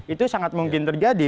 itu sangat mungkin terjadi